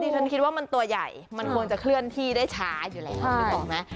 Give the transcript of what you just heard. ฉันคิดว่ามันตัวใหญ่มันควรจะเคลื่อนที่ได้ช้าอยู่แล้วนึกออกไหม